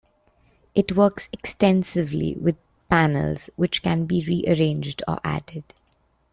It works extensively with "panels", which can be rearranged or added.